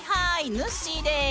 ぬっしーです。